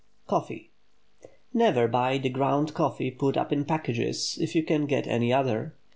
COFFEE. Never buy the ground coffee put up in packages, if you can get any other.